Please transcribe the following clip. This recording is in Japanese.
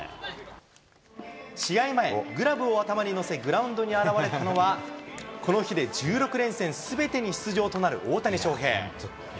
試合前、グラブを頭に載せ、グラウンドに現れたのは、この日で１６連戦すべてに出場となる大谷翔平。